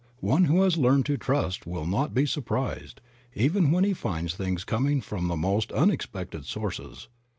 One who has learned to trust will not be surprised even when he finds things coming from the most unexpected sources.